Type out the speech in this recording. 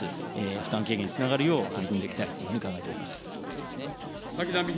負担軽減につながるよう取り組んでいきたいというふうに考えております。